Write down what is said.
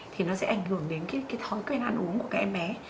thì nó sẽ ảnh hưởng đến cái thói quen ăn uống của các em bé